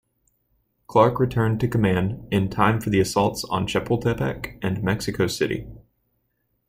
Clarke returned to command in time for the assaults on Chapultepec and Mexico City.